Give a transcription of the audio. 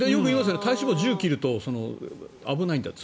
体脂肪１０％を切ると危ないって。